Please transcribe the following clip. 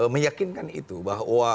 meyakinkan itu bahwa